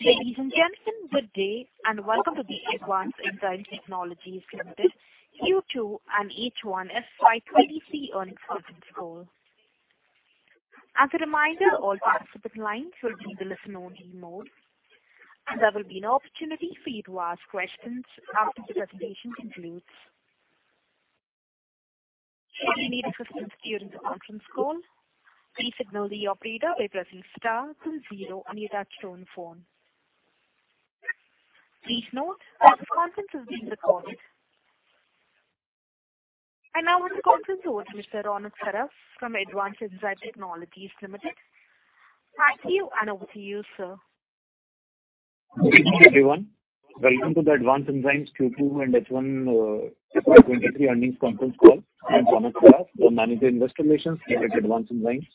Ladies and gentlemen, good day, and welcome to the Advanced Enzyme Technologies Limited Q2 and H1 FY 2023 Earnings Conference Call. As a reminder, all participant lines will be in the listen-only mode. There will be an opportunity for you to ask questions after the presentation concludes. If you need assistance during the conference call, please signal the operator by pressing star two zero on your touch-tone phone. Please note that this conference is being recorded. I now hand the conference over to Mr. Ronak Saraf from Advanced Enzyme Technologies Limited. Thank you, and over to you, sir. Good evening, everyone. Welcome to the Advanced Enzymes Q2 and H1 FY 2023 earnings conference call. I'm Ronak Saraf, the Investor Relations Manager here at Advanced Enzymes.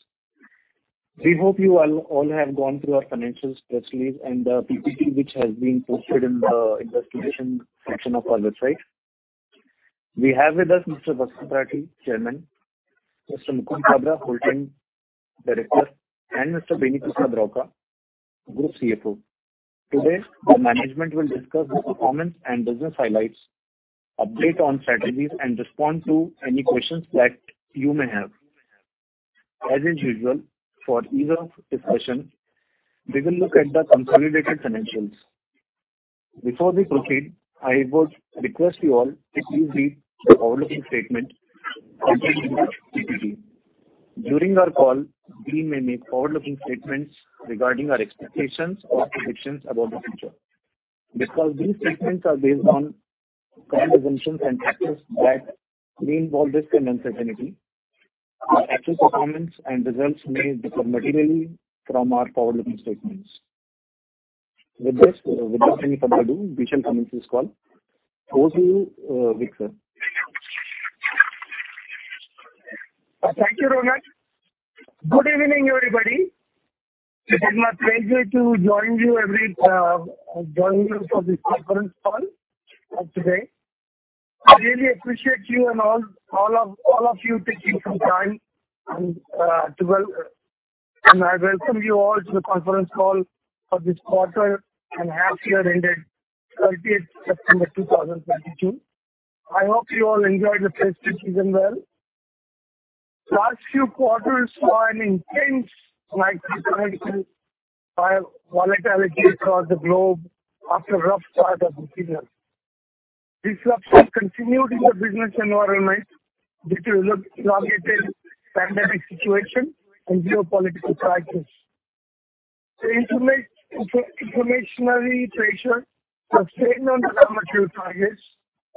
We hope you all have gone through our financials press release and the PPT which has been posted in the investor relations section of our website. We have with us Mr. Vasant Rathi, Chairman, Mr. Mukund Kabra, Whole-Time Director, and Mr. Beni Prasad Rauka, Group CFO. Today, the management will discuss the performance and business highlights, update on strategies, and respond to any questions that you may have. As usual, for ease of discussion, we will look at the consolidated financials. Before we proceed, I would request you all to please read the forward-looking statement included in the PPT. During our call, we may make forward-looking statements regarding our expectations or predictions about the future. Because these statements are based on current assumptions and factors that may involve risk and uncertainty, our actual performance and results may differ materially from our forward-looking statements. Without any further ado, we shall commence this call. Over to you, Vasant, sir. Thank you, Ronak. Good evening, everybody. It's my pleasure to join you for this conference call today. I really appreciate you and all of you taking some time and I welcome you all to the conference call for this quarter and half year ended 30th September 2022. I hope you all enjoyed the festive season well. Last few quarters saw an intense macroeconomic volatility across the globe after a rough start of this year. Disruptions continued in the business environment due to the prolonged pandemic situation and geopolitical crisis. The inflationary pressure sustained on the raw material costs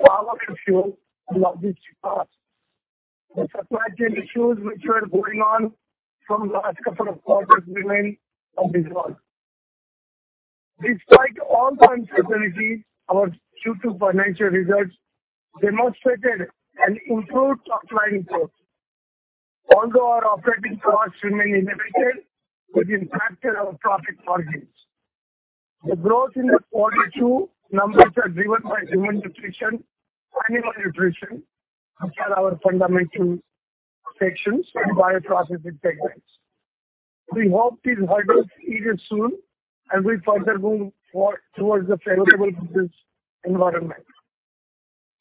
further fueled logistics costs. The supply chain issues which were going on from last couple of quarters remain unresolved. Despite all kinds of uncertainty, our Q2 financial results demonstrated an improved top-line growth. Although our operating costs remain elevated, which impacted our profit margins. The growth in the Q2 numbers are driven by Human Nutrition, Animal Nutrition, which are our fundamental sections in bioprocessing segments. We hope these hurdles ease soon as we further move towards the favorable business environment.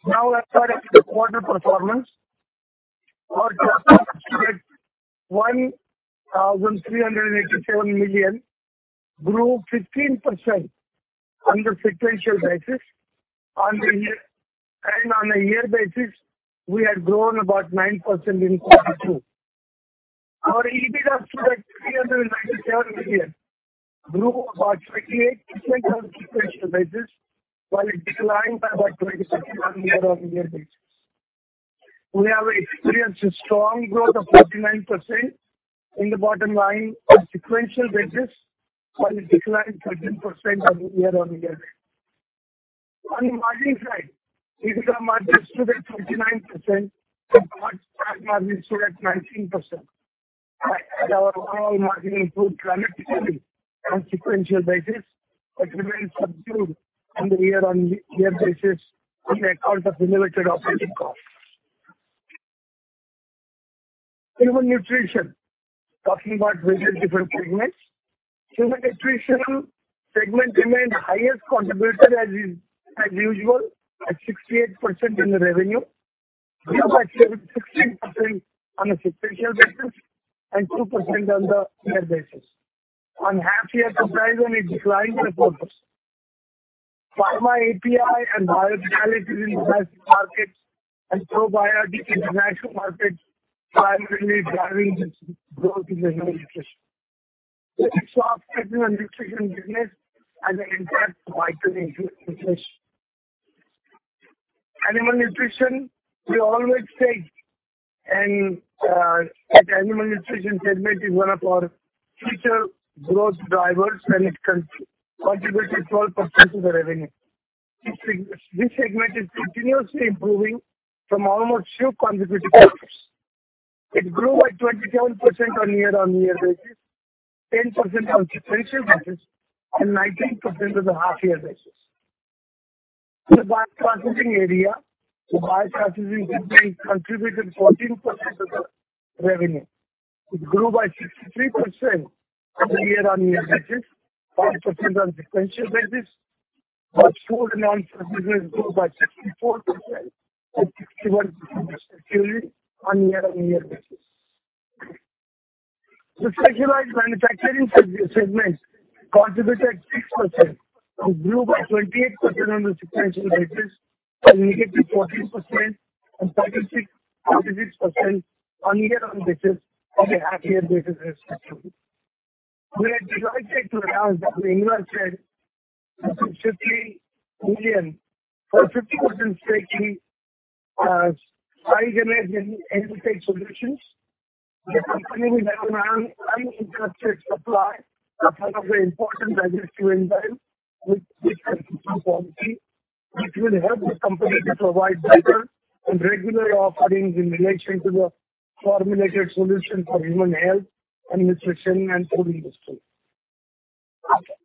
Now let's start with the quarter performance. Our turnover stood at INR 1,387 million, grew 15% on the sequential basis on the year. On a year basis, we had grown about 9% in Q2. Our EBITDA stood at INR 397 million, grew about 28% on sequential basis, while it declined by about 27% on year-on-year basis. We have experienced a strong growth of 49% in the bottom line on sequential basis, while it declined 13% on year-on-year. On the margin side, EBITDA margin stood at 29% and our stock margin stood at 19%. Our overall margin improved dramatically on sequential basis, but remains subdued on the year-on-year basis on account of elevated operating costs. Human Nutrition. Talking about various different segments. Human Nutrition segment remained highest contributor as usual at 68% in the revenue, grew by 16% on a sequential basis and 2% on the year basis. On half year comparison, it declined 4%. Pharma API and biotechnology in the international markets and probiotic international markets are primarily driving this growth in human nutrition. We see strong potential in nutrition business as an adjunct to vital nutrition. Animal Nutrition, we always say that Animal Nutrition segment is one of our future growth drivers, and it contributed 12% to the revenue. This segment is continuously improving from almost two consecutive years. It grew by 27% on year-on-year basis, 10% on sequential basis, and 19% on the half year basis. The bio-processing area, the bio-processing contributed 14% of the revenue. It grew by 63% on a year-on-year basis, 5% on sequential basis, while food and non-food business grew by 64% and 61%, respectively, on year-on-year basis. The specialized manufacturing segment contributed 6%. It grew by 28% on the sequential basis and -14% and 36% on year-on-year basis on a half year basis, respectively. We are delighted to announce that we invested INR 50 million for 50% stake in Sci-Tech Enzychem Solutions. The company will have an uninterrupted supply of one of the important digestive enzyme, which is 5'-AMP. It will help the company to provide better and regular offerings in relation to the formulated solution for human health and nutrition and food industry.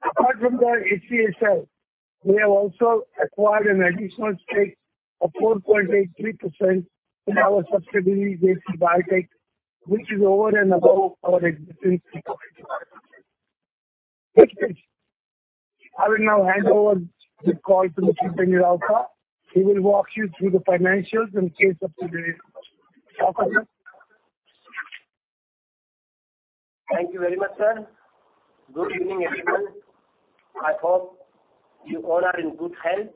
Apart from the SESL, we have also acquired an additional stake of 4.83% in our subsidiary, Av-Bio Protech, which is over and above our existing 3.3%. I will now hand over the call to Mr. Beni Prasad Rauka, who will walk you through the financials and case of today's conference. Thank you very much, sir. Good evening, everyone. I hope you all are in good health.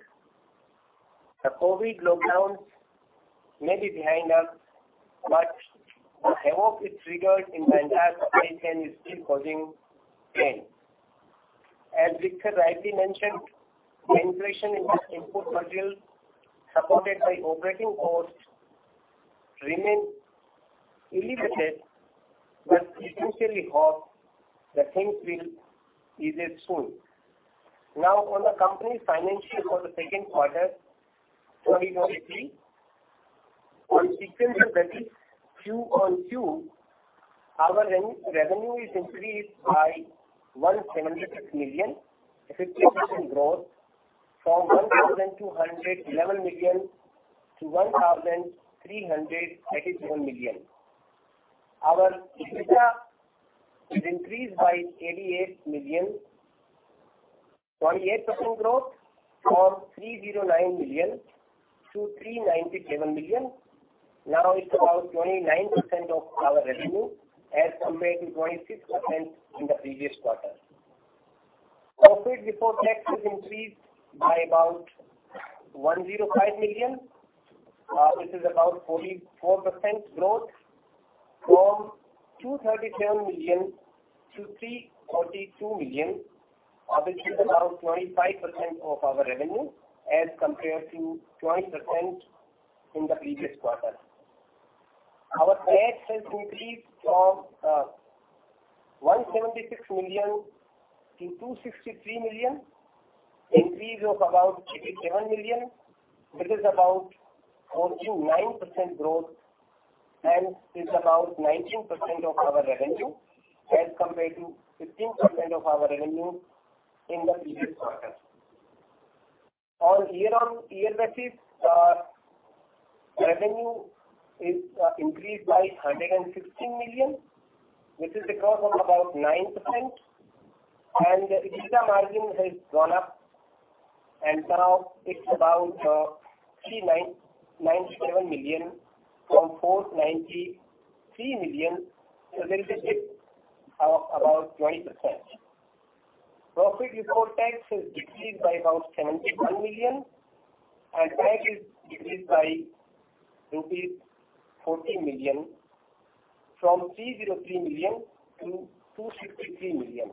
The COVID lockdowns may be behind us, but the havoc it triggered in the entire supply chain is still causing pain. As Vasant Rathi rightly mentioned, the inflation in the input materials, supported by operating costs, remain elevated. We sincerely hope that things will ease it soon. Now on the company's financials for the second quarter 2023. On a sequential basis, QoQ, our revenue is increased by 176 million, 58% growth from 1,211 million to 1,387 million. Our EBITDA has increased by 88 million, 28% growth from 309 million-397 million. Now it's about 29% of our revenue as compared to 26% in the previous quarter. Profit before tax has increased by about 105 million, which is about 44% growth from 237 million to 342 million, which is about 25% of our revenue as compared to 20% in the previous quarter. Our tax has increased from 176 million to 263 million, increase of about 87 million, which is about 49% growth and is about 19% of our revenue as compared to 15% of our revenue in the previous quarter. On year-on-year basis, revenue is increased by 116 million, which is a growth of about 9%, and the EBITDA margin has gone up and now it's about 39.97 million from 49.3 million, so there is a dip of about 20%. Profit before tax has decreased by about 71 million and tax is decreased by rupees 40 million from 303 million to 263 million.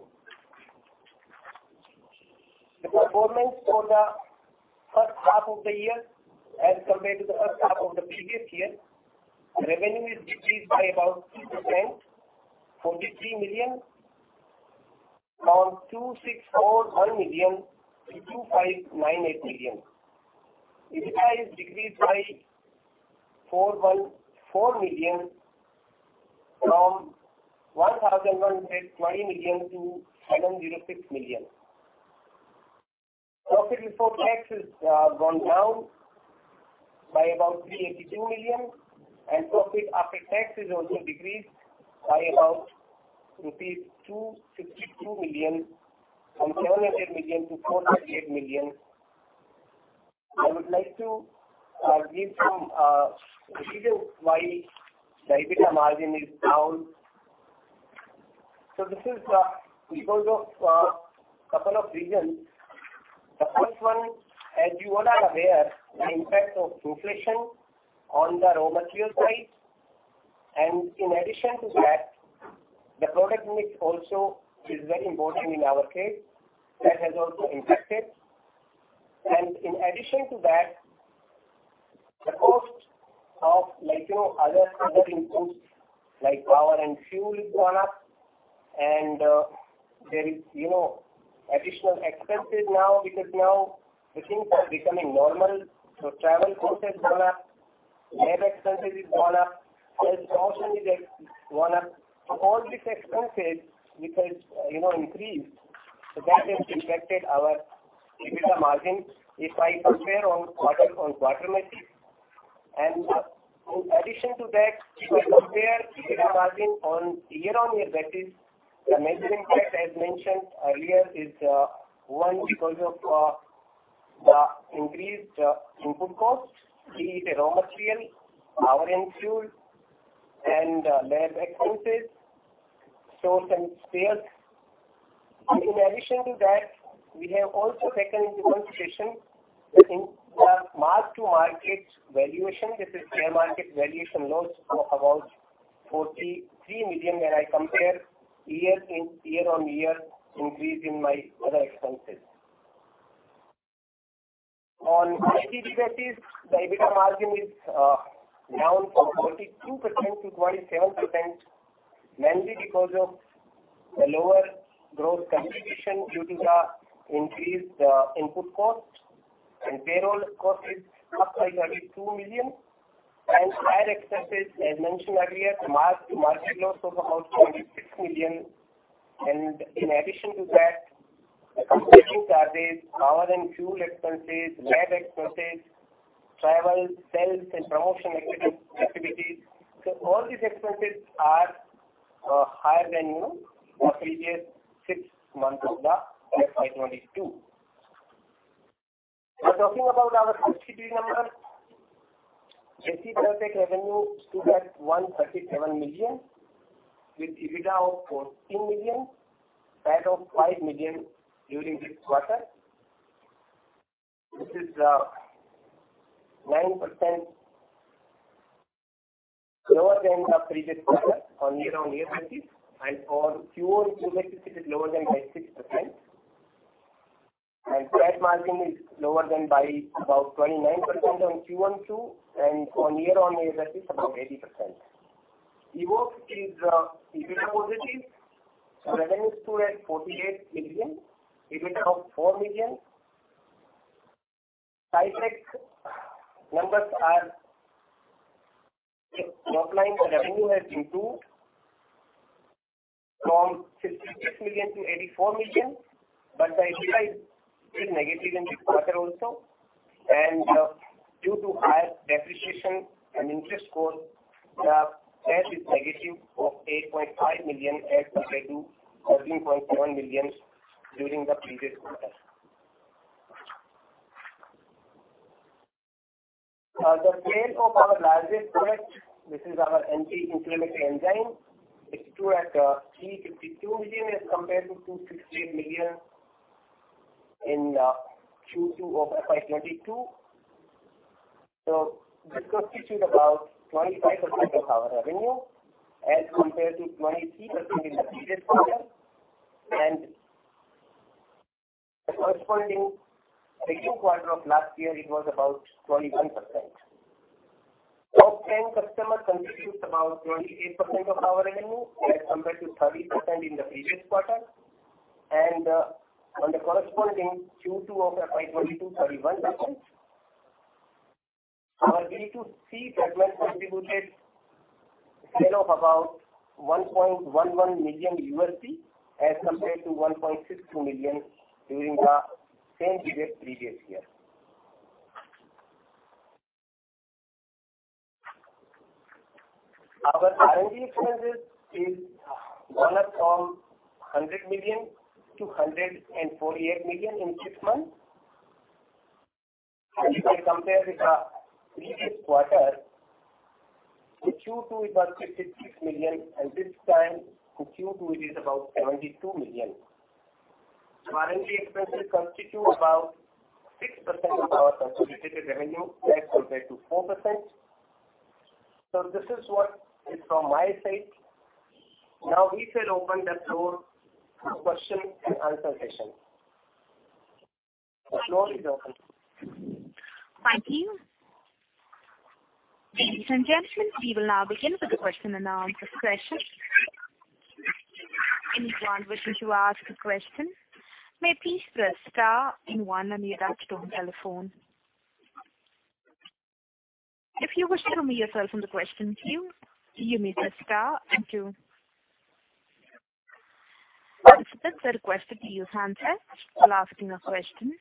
The performance for the first half of the year as compared to the first half of the previous year, revenue is decreased by about 2%, 43 million, from 2,641 million to 2,598 million. EBITDA is decreased by 4.4 million from 1,120 million to 706 million. Profit before tax has gone down by about 382 million, and profit after tax has also decreased by about rupees 262 million from 700 million to 438 million. I would like to give some reasons why the EBITDA margin is down. This is because of couple of reasons. The first one, as you all are aware, the impact of inflation on the raw material price. In addition to that, the product mix also is very important in our case. That has also impacted. In addition to that, the cost of like, you know, other inputs like power and fuel has gone up and, there is, you know, additional expenses now because now the things are becoming normal, so travel costs has gone up. Lab expenses gone up. Sales promotion is gone up. All these expenses which has, you know, increased, so that has impacted our EBITDA margin if I compare on quarter-on-quarter basis. In addition to that, if I compare EBITDA margin on year-on-year basis, the main impact I've mentioned earlier is one because of the increased input costs, be it raw material, power and fuel and lab expenses, stores and spares. In addition to that, we have also taken into consideration the mark-to-market valuation. This is fair market valuation loss of about 43 million when I compare year-on-year increase in my other expenses. On 18 basis, the EBITDA margin is down from 42%-27%, mainly because of the lower growth contribution due to the increased input cost and payroll cost is up by 22 million and higher expenses as mentioned earlier, mark-to-market loss of about 26 million. In addition to that, consulting charges, power and fuel expenses, lab expenses, travel, sales and promotional activities. All these expenses are higher than, you know, the previous six months of the FY 2022. Now talking about our subsidiary numbers. Av-Bio Protech revenue stood at 137 million with EBITDA of 14 million, CAD of 5 million during this quarter. This is 9% lower than the previous quarter on year-on-year basis, and for quarter-on-quarter basis it is lower than by 6%. CAD margin is lower than by about 29% on QoQ and on year-on-year basis about 80%. Evoxx is EBITDA positive. Revenue stood at 48 million. EBITDA of INR 4 million. Sci-Tech numbers are topline revenue has improved from 66 million to 84 million, but the EBITDA is still negative in this quarter also. Due to higher depreciation and interest cost, the CAD is negative of 8.5 million as compared to 13.7 million during the previous quarter. The sale of our largest product, this is our anti-inflammatory enzyme. It stood at 352 million as compared to 268 million in Q2 of FY 2022. This constitutes about 25% of our revenue as compared to 23% in the previous quarter. The corresponding quarter of last year it was about 21%. Top 10 customers contributes about 28% of our revenue as compared to 30% in the previous quarter and on the corresponding Q2 of FY 2022, 31%. Our B2C segment contributed sale of about EUR 1.11 million as compared to 1.62 million during the same period previous year. Our R&D expenses have gone up from 100 million to 148 million in six months. When you compare with our previous quarter to Q2 it was 56 million and this time to Q2 it is about 72 million. R&D expenses constitute about 6% of our consolidated revenue as compared to 4%. This is what is from my side. Now, we shall open the floor for Q&A session. The floor is open. Thank you. Ladies and gentlemen, we will now begin with the Q&A session. Anyone wishing to ask a question may please press star and one on your touch-tone telephone. If you wish to unmute yourself from the question queue, you may press star and two. Participants are requested to use handset while asking a question.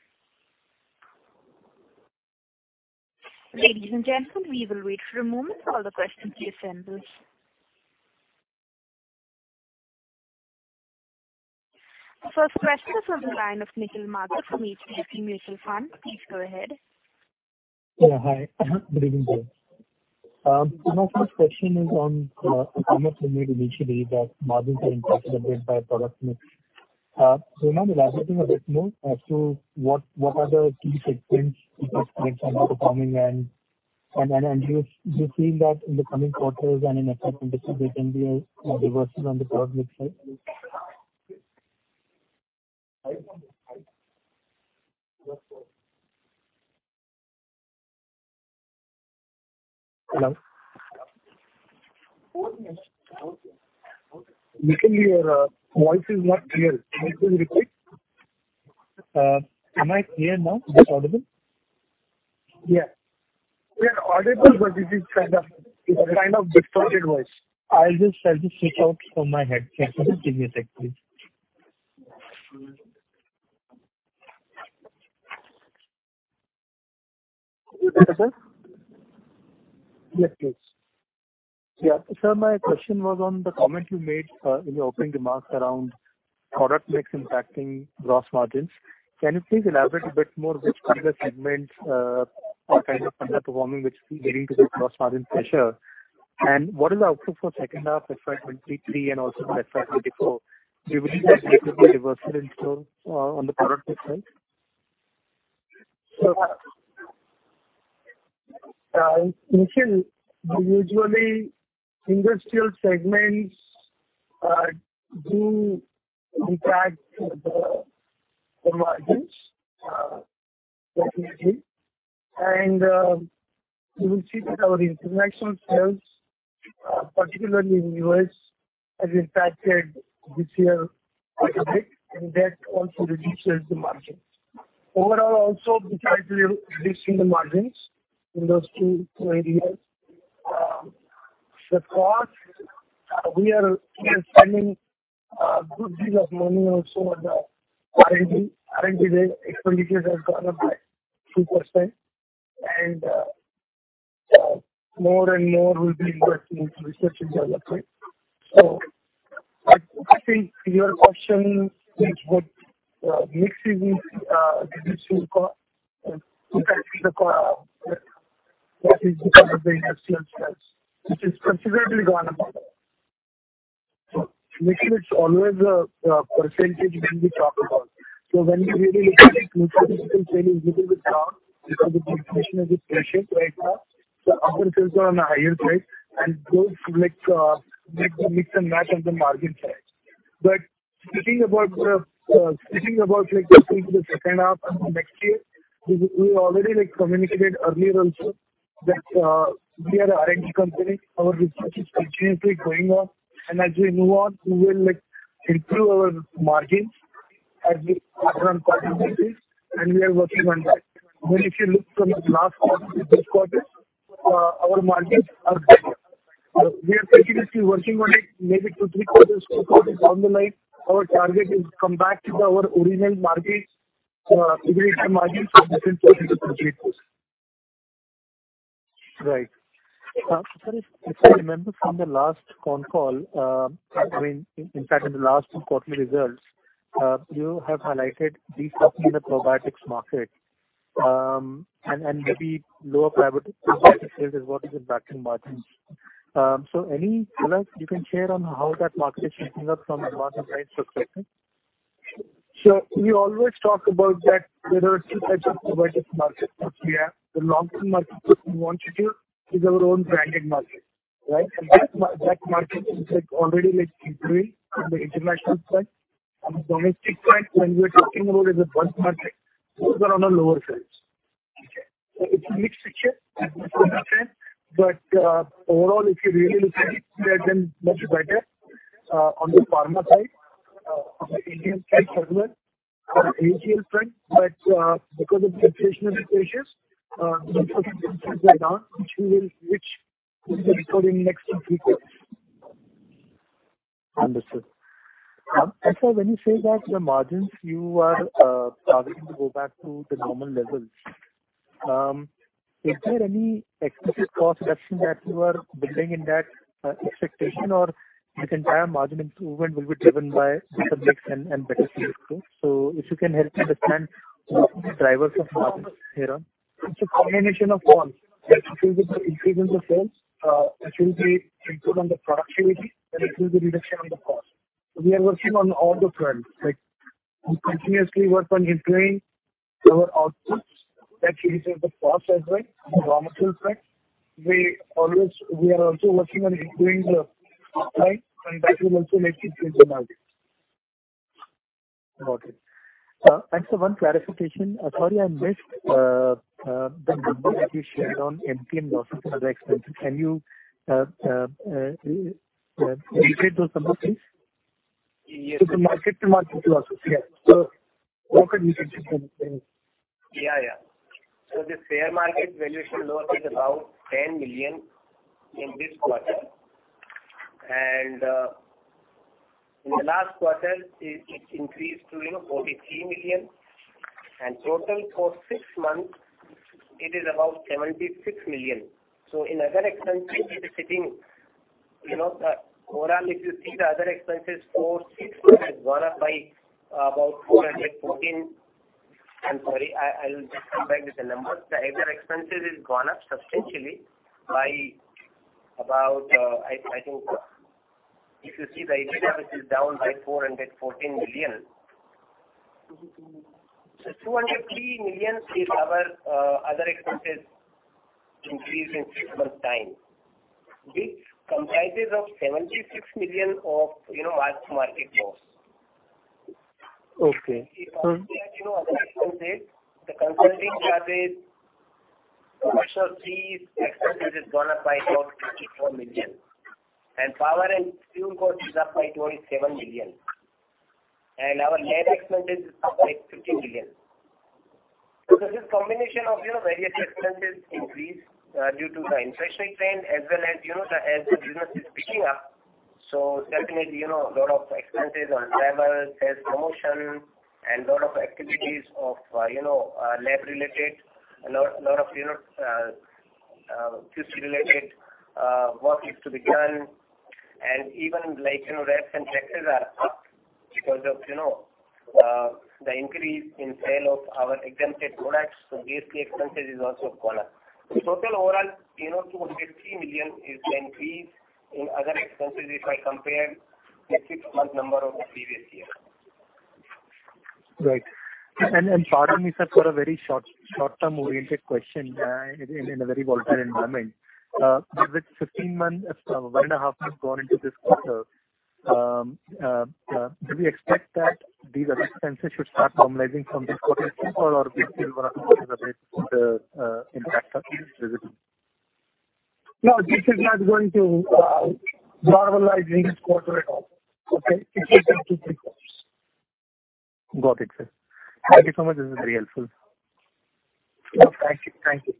Ladies and gentlemen, we will wait for a moment for all the questions to assemble. First question is from the line of Nikhil Mathur from HDFC Mutual Fund. Please go ahead. Yeah, hi. Good evening, sir. My first question is on the comments you made initially that margins are impacted a bit by product mix. So can you elaborate a bit more as to what are the key segments which are underperforming and you feel that in the coming quarters and in upcoming years there can be a reversal on the product mix side? Hello? Nikhil, your voice is not clear. Can you please repeat? Am I clear now? Is this audible? Yeah. We are audible, but it is kind of distorted voice. I'll just switch out from my headset. Just give me a sec, please. Hello, sir. Yes, please. Yeah. Sir, my question was on the comment you made in your opening remarks around product mix impacting gross margins. Can you please elaborate a bit more which kind of segments or kind of underperforming which is leading to this gross margin pressure? What is the outlook for second half FY 2023 and also for FY 2024? Do you believe that there could be reversal in store on the product mix side? Nikhil, usually industrial segments do impact the margins definitely. You will see that our international sales, particularly in U.S., has impacted this year quite a bit, and that also reduces the margins. Overall also we try to reduce single margins in those two areas. The cost, we are spending a good deal of money also on the R&D. R&D expenditures have gone up by 2% and more and more will be invested into research and development. I think your question is what mix is impacting the cost because of the industrial segment, which has considerably gone up. Nikhil, it's always a percentage when we talk about. When you really look at it, margins you can say is little bit down because of the inflation is the pressure right now. Input costs are on a higher side, and those make the mix impact on the margin side. Speaking about looking to the second half and the next year, we already communicated earlier also that we are a R&D company. Our research is continuously going on, and as we move on, we will improve our margins as we pass on cost increases, and we are working on that. When if you look from the last quarter to this quarter, our margins are better. We are continuously working on it. Maybe two, three quarters down the line, our target is to come back to our original margin, EBITDA margin of 15.2%. Right. Sir, if I remember from the last con call, I mean, in fact in the last two quarterly results, you have highlighted de-stocking the probiotics market, and maybe lower private label sales is what is impacting margins. Any colors you can share on how that market is shaping up from a margin price perspective? We always talk about that there are two types of probiotics market which we have. The long-term market which we want to do is our own branded market, right? That market is like already like improving from the international side. On the domestic side, when we are talking about is the bulk market. Those are on a lower side. Okay. It's a mixed picture as we often say. Overall, if you really look at it, we have been much better on the pharma side, on the Indian side as well. On the animal side, but because of the inflation and pressures, the inputs have increased right now, which we will switch in the quarter in next two, three quarters. Understood. Sir, when you say that the margins you are targeting to go back to the normal levels, is there any explicit cost reduction that you are building in that expectation or this entire margin improvement will be driven by better mix and better sales growth? If you can help me understand the drivers of margins herein. It's a combination of all. It will be the increase in the sales. It will be improvement on the productivity, and it will be reduction on the cost. We are working on all the fronts. Like, we continuously work on improving our outputs. That reduces the cost as well on the raw material side. We are also working on improving the uptime, and that will also lead to improve in margins. Okay. Sir, one clarification. Sorry, I missed the number that you shared on MTM losses, other expenses. Can you reiterate those numbers, please? Yes. To the mark-to-market losses. Yeah. What were the mark-to-market losses? Yeah, yeah. The fair market valuation loss is about 10 million in this quarter. In the last quarter it increased to, you know, 43 million. Total for six months it is about 76 million. In other expenses it is sitting, you know, overall if you see the other expenses for six months has gone up by about 414 million. I'm sorry. I'll just come back with the numbers. The other expenses has gone up substantially by about, I think if you see the EBITDA, this is down by 414 million. 203 million is our, other expenses increase in six months' time, which comprises of 76 million of, you know, mark-to-market loss. Okay. The consulting charges, commercial fees expenses has gone up by about 24 million. Power and fuel cost is up by 27 million. Our lab expenses is up by 15 million. This is combination of, you know, various expenses increase due to the inflationary trend as well as, you know, as the business is picking up. Definitely, you know, a lot of expenses on travel, sales promotion and lot of activities of, you know, lab related. A lot of, you know, QC related work is to be done. Even like, you know, rents and taxes are up because of, you know, the increase in sale of our exempted products, so basically expenses is also gone up. Total overall, you know, 250 million is the increase in other expenses if I compare the six-month number of the previous year. Right. Pardon me, sir, for a very short-term oriented question, in a very volatile environment. With 1.5 months gone into this quarter, do we expect that these expenses should start normalizing from this quarter or we still gonna see the base, the impact of this visit? No, this is not going to normalize this quarter at all. Okay? It will continue. Got it, sir. Thank you so much. This is very helpful. Yeah. Thank you. Thank you.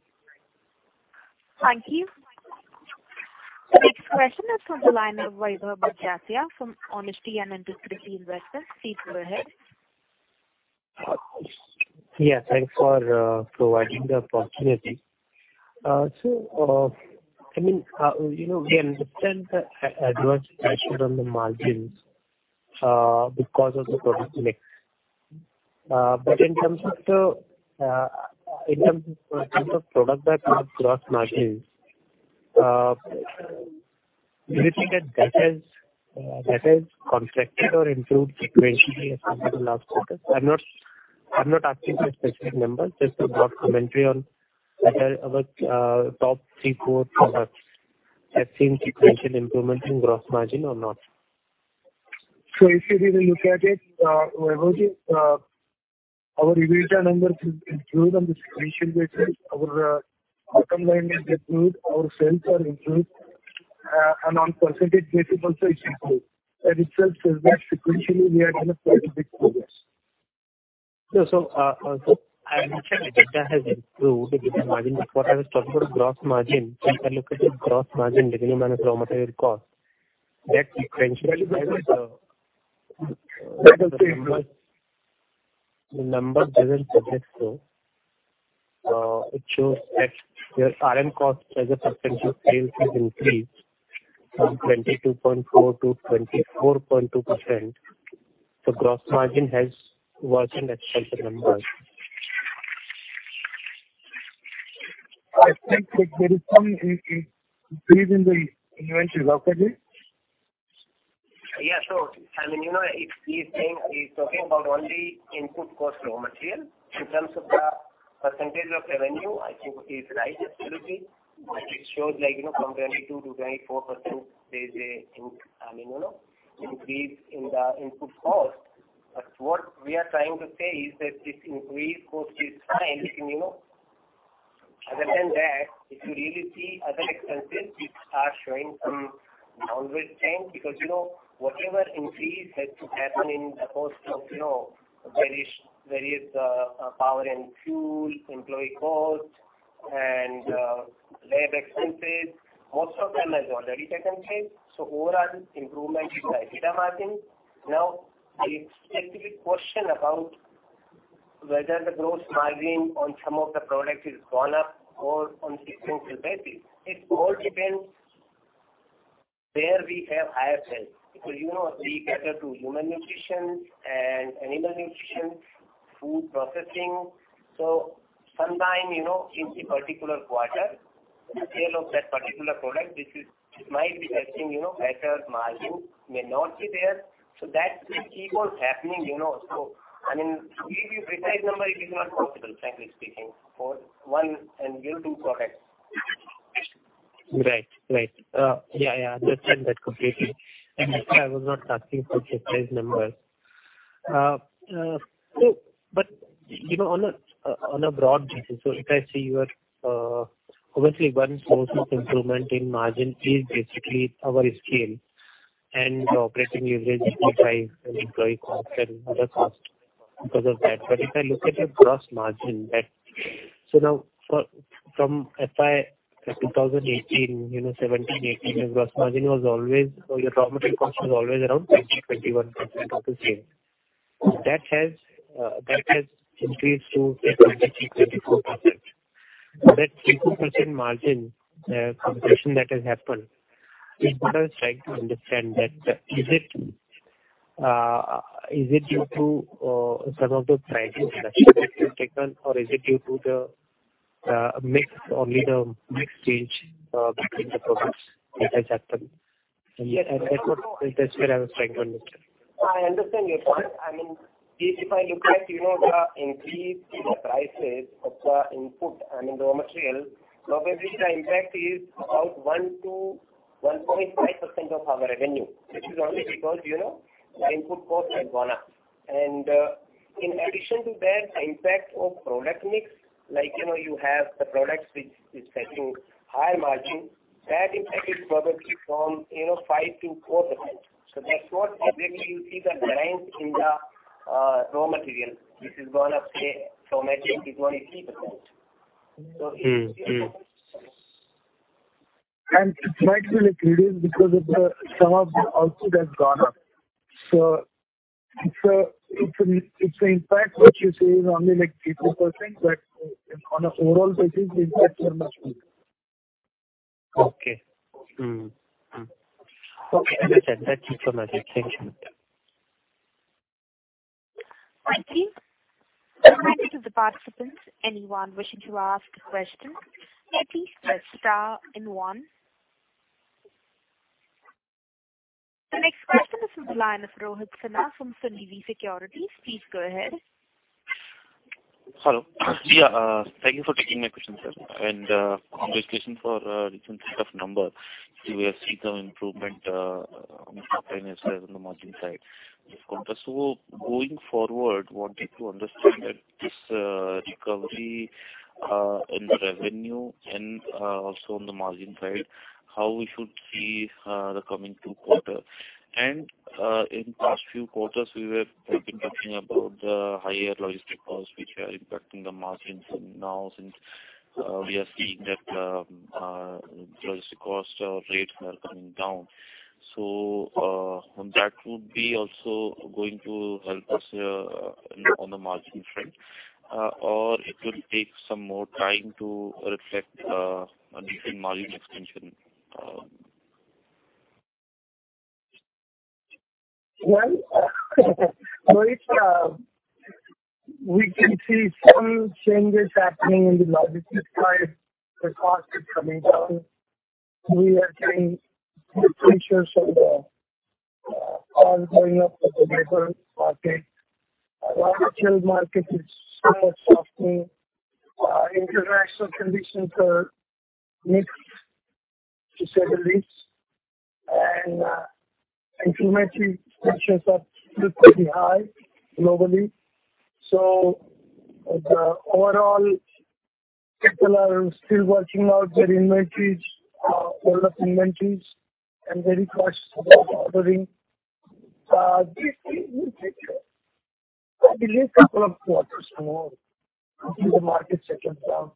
Thank you. The next question is from the line of Vaibhav Badjatya from Honesty and Integrity Investments. Please go ahead. Yeah, thanks for providing the opportunity. I mean, you know, we understand the adverse pressure on the margins because of the product mix. In terms of product-wise gross margins, do you think that has contracted or improved sequentially as compared to last quarter? I'm not asking for a specific number, just a broad commentary on whether our top three, four products have seen sequential improvement in gross margin or not. If you really look at it, Vaibhav, our EBITDA numbers is improved on the sequential basis. Our bottom line is improved. Our sales are improved. On percentage basis also it's improved. It says that sequentially we are doing quite a bit progress. I understand EBITDA has improved with the margin. What I was talking about gross margin. If I look at the gross margin, revenue minus raw material cost, that sequentially- That is same. The numbers doesn't suggest so. It shows that your RM cost as a percentage of sales has increased from 22.4%-24.2%. Gross margin has worsened as per the numbers. I think that there is some increase in the inventory shortages. Yeah. I mean, you know, he is saying he's talking about only input cost, raw material. In terms of the percentage of revenue, I think he's right absolutely. It shows like, you know, from 22%-24%, there is an increase in the input cost. But what we are trying to say is that this increased cost is fine, you know. Other than that, if you really see other expenses, they are showing some downward change. Because, you know, whatever increase had to happen in the cost of, you know, various power and fuel, employee cost and lab expenses, most of them has already taken place. Overall improvement in the EBITDA margin. Now, it's actually a question about whether the gross margin on some of the products is gone up or on sequential basis. It all depends on where we have higher sales. Because, you know, we cater to Human Nutrition and Animal Nutrition, Food Processing. Sometimes, you know, in a particular quarter, the sale of that particular product which is it might be having, you know, better margin may not be there. That will keep on happening, you know. I mean, to give you a precise number it is not possible, frankly speaking, for one and given two products. Right. Yeah, I understand that completely. That's why I was not asking for precise numbers. You know, on a broad basis, if I see your obviously one source of improvement in margin is basically our scale and operating leverage which drives employee cost and other cost because of that. But if I look at your gross margin. Now from FY 2017-2018, you know, your gross margin was always, or your raw material cost was always around 20%-21% of the sales. That has increased to say 23%-24%. That 3%-4% margin compression that has happened, we're just trying to understand that, is it due to some of the pricing pressure that you've taken or is it due to the mix, only the mix change between the products that has happened? Yes. That's what. That's where I was trying to understand. I understand your point. I mean, if I look at, you know, the increase in the prices of the input, I mean, raw material, roughly the impact is about 1%-1.5% of our revenue, which is only because, you know, the input cost has gone up. In addition to that, the impact of product mix, like, you know, you have the products which is fetching high margin. That impact is probably from, you know, 5%-4%. That's not exactly you see the grind in the raw material. This is gonna save, so maybe it is gonna be 8%. And it might be, like, reduced because some of the output has gone up. So it's an impact what you say is only like 8%, but on an overall basis, the impact is much bigger. Okay. Okay, understood. That's it from my side. Thank you. Thank you. Back to the participants. Anyone wishing to ask a question, may please press star and one. The next question is from the line of Rohit Sinha from Sunidhi Securities. Please go ahead. Hello. Yeah, thank you for taking my question, sir. Congratulations for recent set of numbers. We have seen some improvement on the top line as well as on the margin side. Going forward, wanted to understand that this recovery in the revenue and also on the margin side, how we should see the coming two quarters. In past few quarters, we were talking about the higher logistic costs, which are impacting the margins. Now since we are seeing that logistic costs or rates are coming down. That would be also going to help us on the margin front, or it will take some more time to reflect a decent margin expansion. Well, Rohit, we can see some changes happening in the logistics side. The cost is coming down. We are getting good picture of the ongoing of the regular market. Large chilled market is somewhat softening. International conditions are mixed, to say the least. Inventory pressures are still pretty high globally. The overall people are still working out their inventories, built-up inventories and very cautious about ordering. This will take, I believe, couple of quarters or more until the market settles down.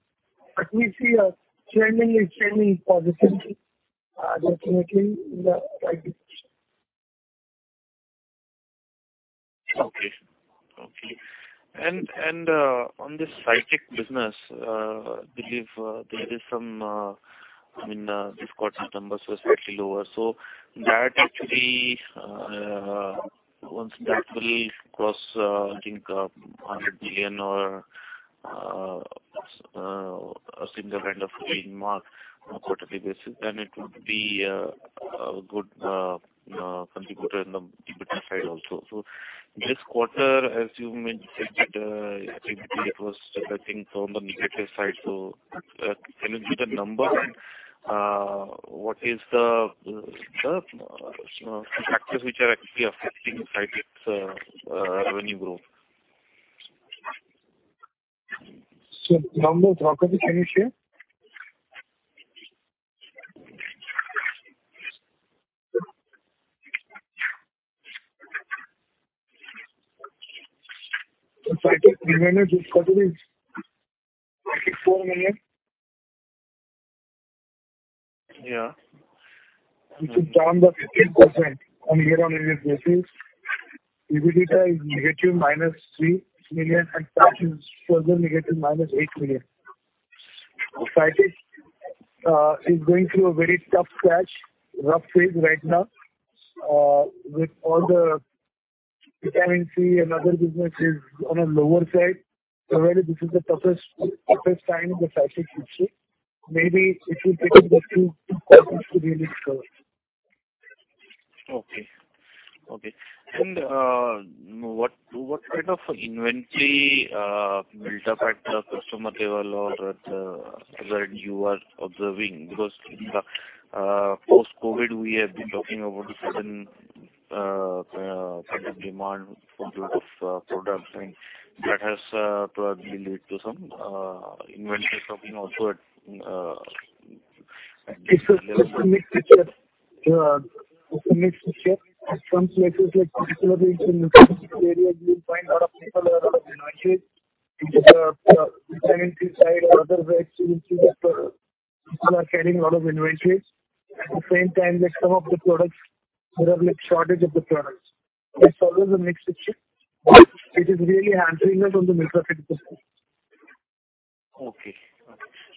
We see the trend is trending positively, definitely in the right direction. Okay. On this Sci-Tech business, I believe there is some, I mean, this quarter's numbers were slightly lower. That actually, once that will cross, I think, 100 million or a similar kind of million mark on a quarterly basis, then it would be a good contributor in the EBITDA side also. This quarter, as you mentioned, EBITDA it was affecting from the negative side. Can you see the number? What is the factors which are actually affecting Sci-Tech's revenue growth? Number of rockets finished here. Sci-Tech revenues for Q3, INR 34 million. Yeah. Which is down by 15% year-on-year basis. EBITDA is -3 million and cash is further -8 million. Sci-Tech is going through a very tough patch, rough phase right now, with all the Vitamin C and other businesses on a lower side. However, this is the toughest time the Sci-Tech will see. Maybe it will take another two quarters to really recover. Okay. What kind of inventory built up at the customer level or at the where you are observing? Because in the post-COVID, we have been talking about the sudden demand for group of products, and that has probably lead to some inventory stocking also at the customer level. It's a mixed picture. At some places, like particularly in the area, you'll find lot of people have lot of inventories. In the Vitamin C side or other grades, you will see that, people are carrying lot of inventories. At the same time, there's some of the products where there's like shortage of the products. It's always a mixed picture. It is really handling it on the microscopic level. Okay.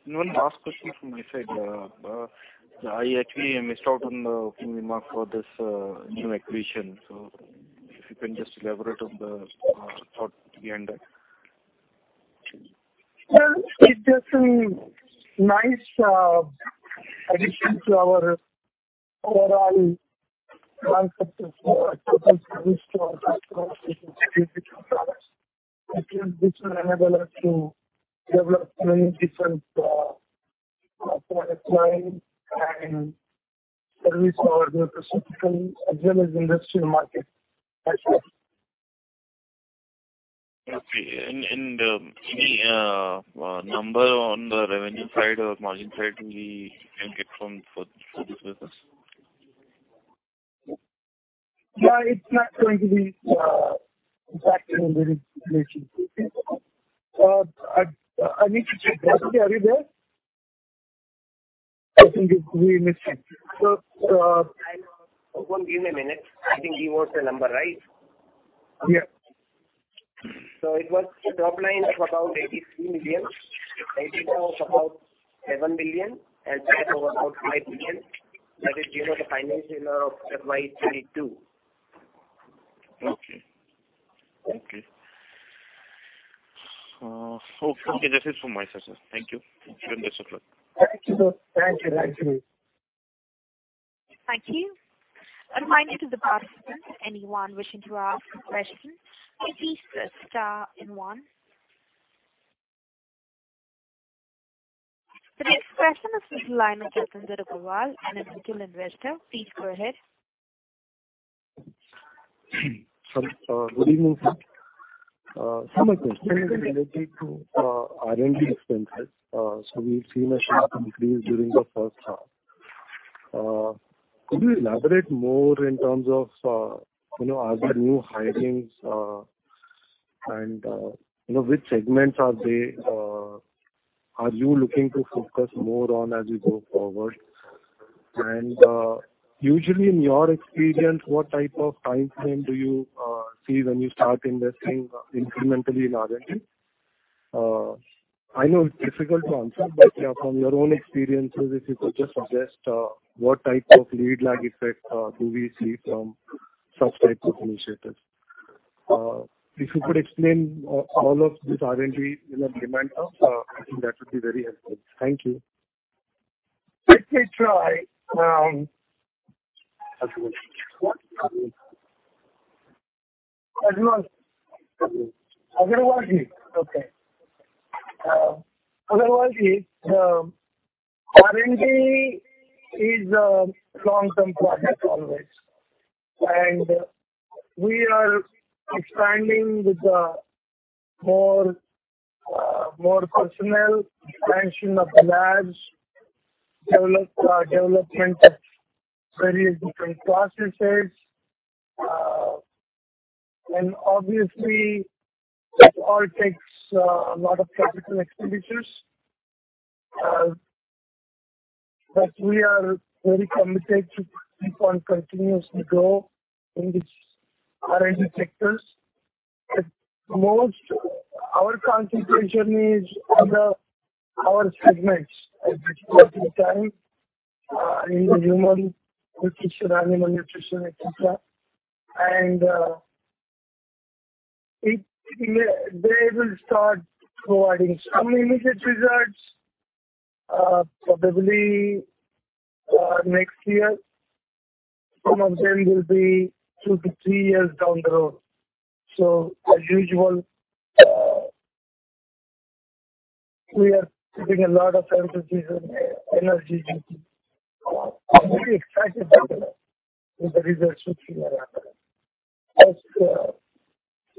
One last question from my side. I actually missed out on the opening remark for this new acquisition. If you can just elaborate on the thought behind that. Well, it's just a nice addition to our overall concept of total service to our customers with strategic products. I think this will enable us to develop many different product line and service. Okay. Our pharmaceutical as well as industrial market as well. Okay. Any number on the revenue side or margin side we can get for this purpose? Yeah, it's not going to be impacting on the relations. I need to check. Rohit, are you there? I think we missed him. I know. Hold on, give me a minute. I think he wants a number, right? Yeah. It was a top line of about 83 million. EBITDA of about 7 million and PAT of about 5 million. That is, you know, the financials of FY 2022. Okay. That's it from my side, sir. Thank you. Best of luck. Thank you, sir. Thank you. Thank you. Thank you. A reminder to the participants, anyone wishing to ask a question, please press star and one. The next question is from the line of Anurag Agrawal, an individual investor. Please go ahead. Sir, good evening, sir. My question is related to R&D expenses. We've seen a sharp increase during the first half. Could you elaborate more in terms of, you know, are there new hirings? You know, which segments are they? Are you looking to focus more on as you go forward? Usually in your experience, what type of timeframe do you see when you start investing incrementally in R&D? I know it's difficult to answer, but from your own experiences, if you could just suggest what type of lead lag effect do we see from such type of initiatives? If you could explain all of this R&D in a Okay. I think that would be very helpful. Thank you. Let me try. Agrawal. Agrawal ji. Okay. Agrawal ji, the R&D is a long-term project always, and we are expanding with more personnel, expansion of the labs, development of various different processes. Obviously that all takes a lot of capital expenditures. We are very committed to keep on continuously grow in these R&D sectors. Most of our concentration is on our segments at this point in time, in the Human Nutrition, Animal Nutrition, et cetera. They will start providing some immediate results, probably next year. Some of them will be two-three years down the road. As usual, we are putting a lot of emphasis and energy into. I'm very excited, Agrawal, with the results which we are having.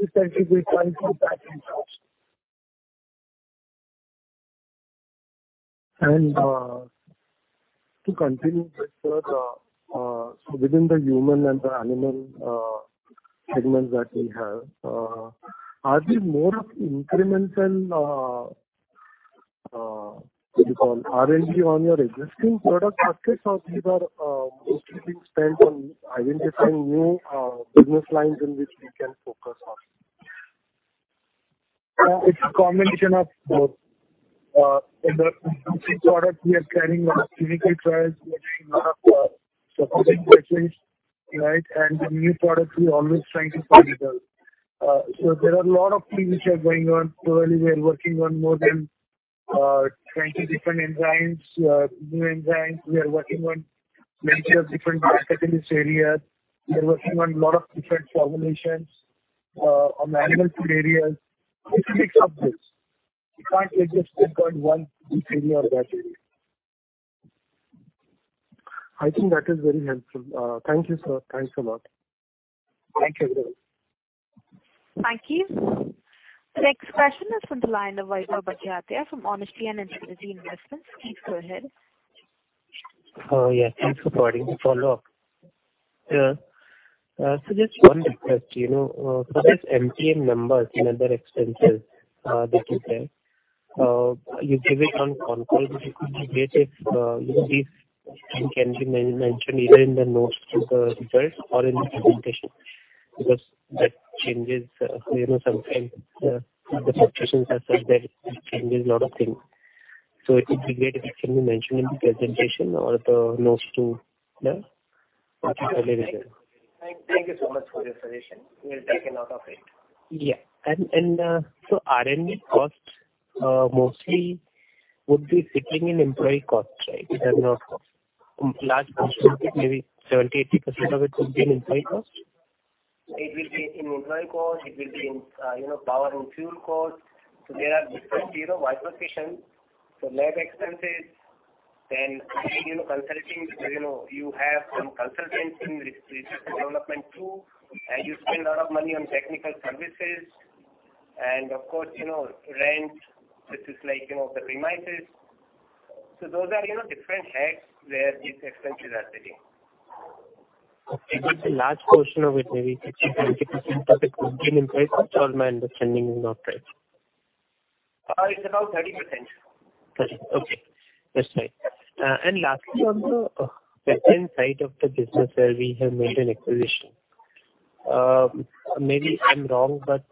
Essentially we try to back ourselves. To continue with that, so within the Human and the Animal segments that we have, are we more of incremental, what you call R&D on your existing product baskets, or these are mostly being spent on identifying new business lines in which we can focus on? It's a combination of both. In the existing product we are carrying on clinical trials. We are doing a lot of supporting research, right? The new products we always trying to find out. There are a lot of things which are going on currently. We are working on more than 20 different enzymes, new enzymes. We are working on many different bacterial areas. We are working on a lot of different formulations on animal food areas. It's a mix of this. You can't exist on one deep area of that area. I think that is very helpful. Thank you, sir. Thanks a lot. Thank you. Thank you. The next question is from the line of Vaibhav Badjatya from Honesty and Integrity Investments. Please go ahead. Yeah. Thanks for providing the follow-up. Just one request, you know. These MTM numbers in other expenses, that you said, you give it on call. It would be great if, you know, these can be mentioned either in the notes to the results or in the presentation, because that changes, you know, sometimes, the fluctuations are such that it changes lot of things. It would be great if it can be mentioned in the presentation or the notes to the- Thank you so much for your suggestion. We'll take a note of it. Yeah. R&D costs mostly would be sitting in employee costs, right? It has no large cost. Maybe 70%-80% of it would be in employee costs? It will be in employee cost, it will be in, you know, power and fuel cost. There are different, you know, work locations. Lab expenses, then, you know, consulting, you know, you have some consultants in research and development too, and you spend a lot of money on technical services. Of course, you know, rent, which is like, you know, the premises. Those are, you know, different buckets where these expenses are sitting. Okay. The large portion of it maybe 50%-20% of it would be in labor cost or my understanding is not right? It's about 30%. Thirty. Okay. That's right. Lastly, on the backend side of the business where we have made an acquisition. Maybe I'm wrong, but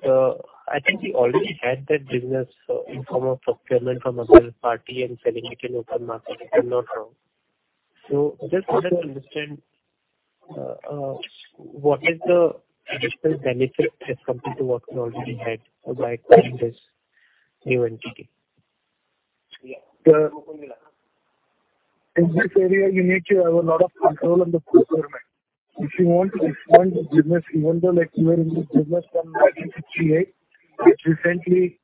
I think we already had that business in form of procurement from a third party and selling it in open market if I'm not wrong. Just wanted to understand what is the additional benefit as compared to what we already had by acquiring this new entity? Yeah. In this area, you need to have a lot of control on the procurement. If you want to expand the business, even though like you are in this business from 1968, which recently,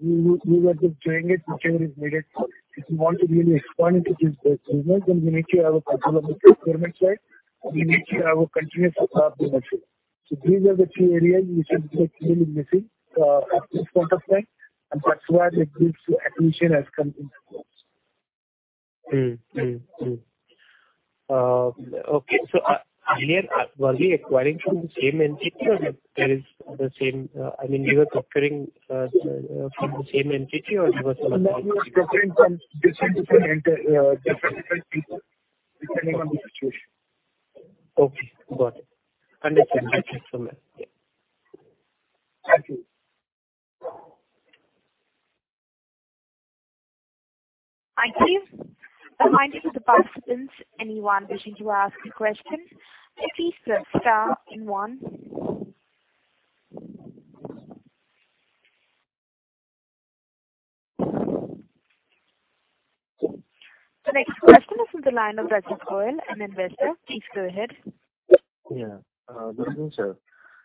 you were just doing it whichever is needed. If you want to really expand it, this business, then you need to have a control on the procurement side, and you need to have a continuous supply of the material. These are the two areas which was really missing, from this point of view, and that's why this acquisition has come into force. Okay. I mean, we were procuring from the same entity or there was some. No, we were procuring from different people depending on the situation. Okay, got it. Understood. Thank you so much. Thank you. Thank you. Thank you for the participants. Anyone wishing to ask a question, please press star then one. The next question is from the line of Rajat Goyal, an investor. Please go ahead. Yeah. Good evening, sir.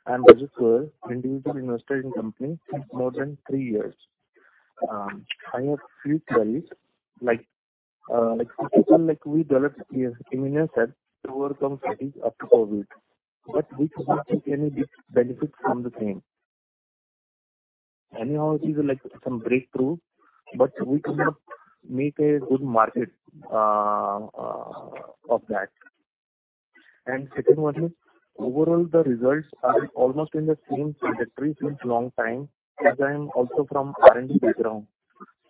I'm Rajat Goyal, individual investor in company since more than three years. I have few queries like, first one, like we developed this ImmunoSEB to overcome disease of COVID, but we could not take any benefits from the same. Anyhow, these are like some breakthrough, but we could not make a good market of that. Second one is overall the results are almost in the same trajectory since long time as I am also from R&D background.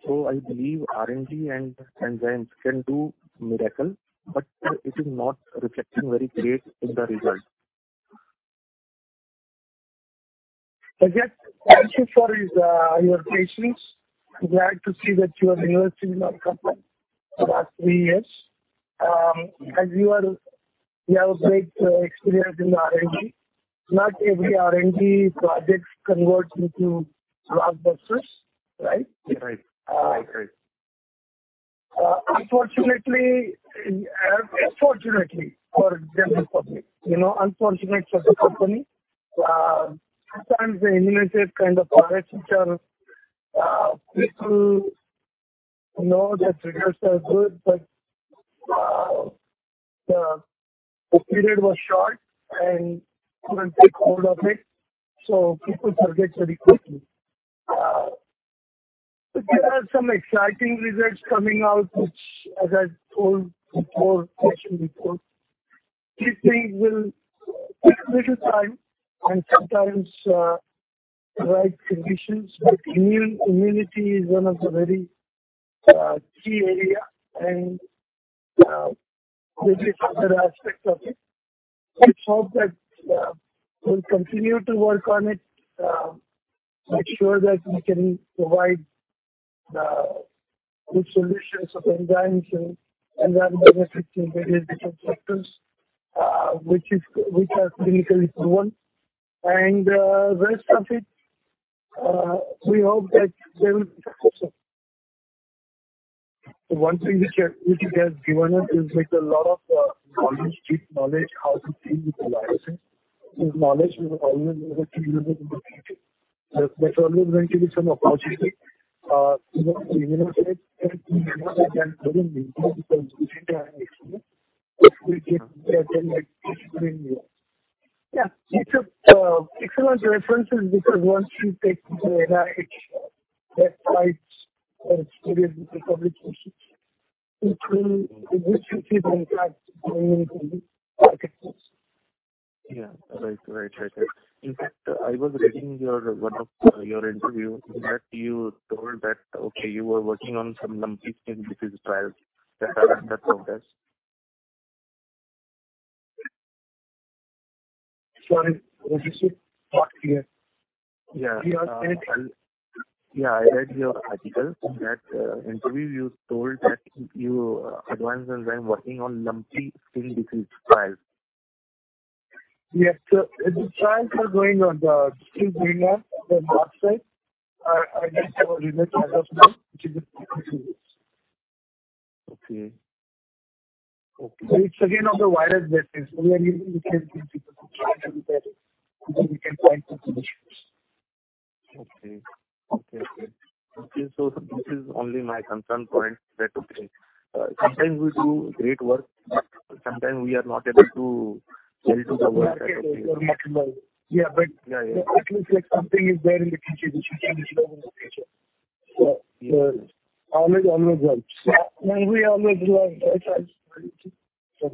So I believe R&D and enzymes can do miracle, but it is not reflecting very great in the result. Rajat, thank you for this, your patience. Glad to see that you are investing in our company for the last three years. You have a great experience in R&D. Not every R&D projects convert into blockbusters, right? Right. Unfortunately, fortunately for the general public, you know, unfortunate for the company, sometimes the ImmunoSEB kind of products which are, people know that the results are good, but the period was short and couldn't take hold of it, so people forget very quickly. There are some exciting results coming out, which as I told before question before, these things will take a little time and sometimes right conditions. Immunity is one of the very key area and there'll be other aspects of it. We hope that we'll continue to work on it, make sure that we can provide good solutions of enzymes and then benefit in various different sectors which are clinically proven. Rest of it, we hope that there will be success. The one thing which it has given us is like a lot of knowledge, deep knowledge how to deal with the licensing. This knowledge will always remain with you. There's always going to be some opportunity. You know, ImmunoSEB is another example in India because we think we are an expert, which we think that they might distribute in here. Yeah. It's a excellent references because once you take the NIH websites and study the publications, it will give you the impact globally. Yeah. Right. In fact, I was reading your, one of your interview in that you told that, okay, you were working on some Lumpy Skin Disease trials that are under progress. Sorry. Would you talk again? Yeah. You are saying. Yeah, I read your article. In that interview you told that you, Advanced Enzyme working on Lumpy Skin Disease trial. Yes. The trials are going on. They are still going on the lab side. I don't have a result as of now, which is. Okay. It's again on the widest basis. Only we can try to compare it. Only we can find some solutions. Okay. This is only my concern point that, okay, sometimes we do great work, but sometimes we are not able to sell to the world. Yeah, but- Yeah, yeah. At least like something is there in the future. We should see in the future. Yeah. Always helps. We always learn, right? Right.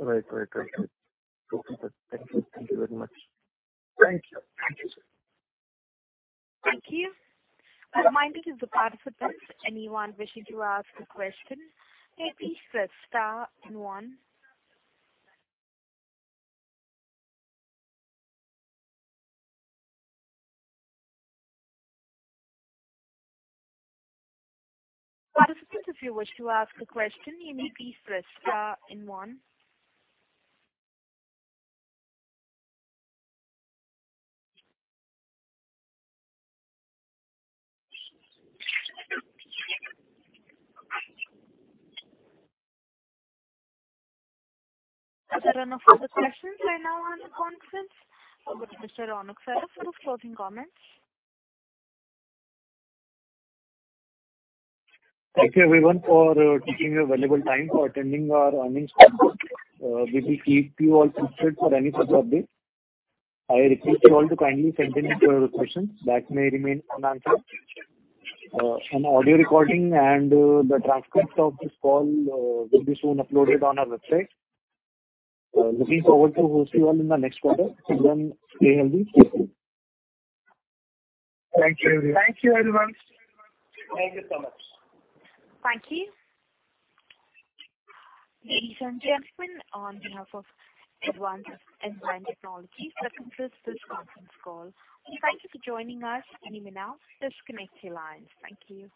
Okay, sir. Thank you very much. Thank you. Thank you, sir. Thank you. Reminding to the participants, anyone wishing to ask a question may please press star and one. Participants, if you wish to ask a question, you may please press star and one. There are no further questions right now on the conference. Over to Mr. Mukund Kabra for the closing comments. Thank you everyone for taking your valuable time for attending our earnings call. We will keep you all posted for any further updates. I request you all to kindly send in your questions that may remain unanswered. An audio recording and the transcript of this call will be soon uploaded on our website. Looking forward to host you all in the next quarter. Till then, stay healthy. Thank you. Thank you, everyone. Thank you. Ladies and gentlemen, on behalf of Advanced Enzyme Technologies, that concludes this conference call. Thank you for joining us. You may now disconnect your lines. Thank you.